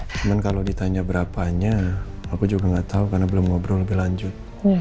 cuman kalau ditanya berapanya aku juga nggak tahu karena belum ngobrol lebih lanjut